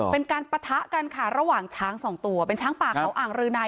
ปะทะกันค่ะระหว่างช้างสองตัวเป็นช้างป่าเขาอ่างรือนาย